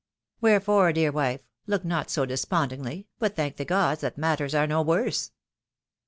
Wherefore, dear wife, look not so despond ingly, but thank the gods that matters are no worse."